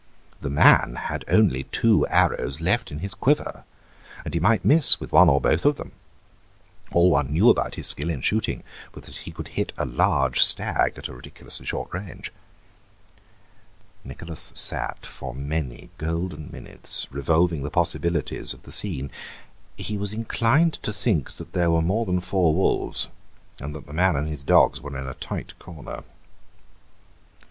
The man had only two arrows left in his quiver, and he might miss with one or both of them; all one knew about his skill in shooting was that he could hit a large stag at a ridiculously short range. Nicholas sat for many golden minutes revolving the possibilities of the scene; he was inclined to think that there were more than four wolves and that the man and his dogs were in a tight corner.